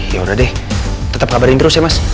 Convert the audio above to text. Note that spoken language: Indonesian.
ya udah deh tetap kabarin terus ya mas